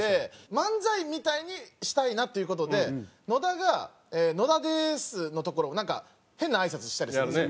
漫才みたいにしたいなという事で野田が「野田でーす」のところをなんか変なあいさつしたりするんですよ。